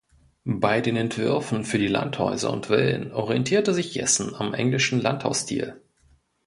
Bei den Entwürfen für die Landhäuser und Villen orientierte sich Jessen am englischen Landhausstil.